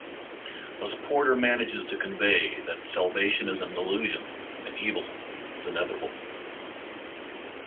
Thus Porter manages to convey that salvation is an illusion, and evil is inevitable.